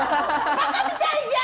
バカみたいじゃん！